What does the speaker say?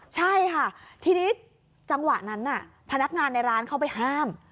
ใช่ค่ะทีนี้จังหวะนั้นพนักงานในร้านเข้าไปห้าม